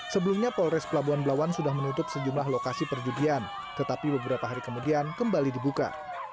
sebelumnya polres pelabuhan belawan sudah menutup sejumlah lokasi perjudian tetapi beberapa hari kemudian kembali dibuka